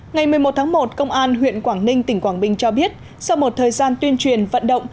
ngày một mươi một tháng một công an huyện quảng ninh tỉnh quảng bình cho biết sau một thời gian tuyên truyền vận động